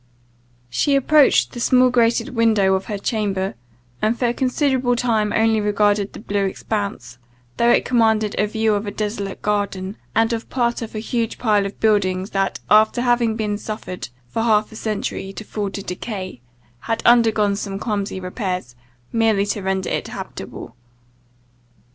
She approached the small grated window of her chamber, and for a considerable time only regarded the blue expanse; though it commanded a view of a desolate garden, and of part of a huge pile of buildings, that, after having been suffered, for half a century, to fall to decay, had undergone some clumsy repairs, merely to render it habitable.